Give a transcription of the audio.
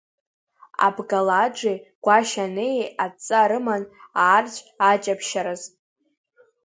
Абгалаџи Гәашьанеии адҵа рыман аарцә аҷаԥшьараз.